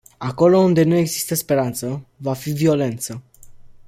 Acolo unde nu există speranță, va fi violență.